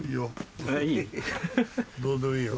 どうでもいいよ。